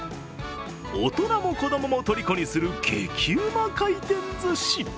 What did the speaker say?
大人も子供もとりこにする激うま回転ずし。